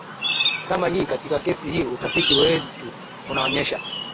kama hii Katika kesi hii utafiti wetu unaonyesha